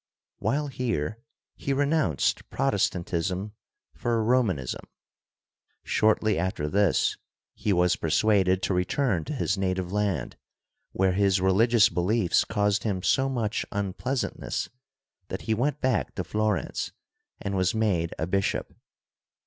While here he renounced Protestant ism for Romanism. Shortly after this he was persuaded to return to his native land, where his religious beliefs caused him so much unpleasantness that he went back to Florence and was made a bishop.